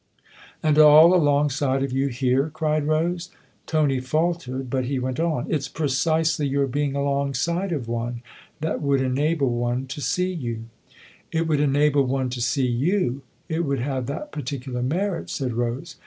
" And all alongside of you here ?" cried Rose. Tony faltered, but he went on. " It's precisely your being 'alongside' of one that would enable one to see you." 156 THE OTHER HOUSE " It would enable one to see you it would have that particular merit/' said Rose.